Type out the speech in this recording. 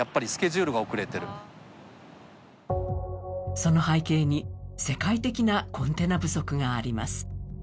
その背景に、世界的なコンテナ不足があります。